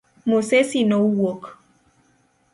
Musesi nowuok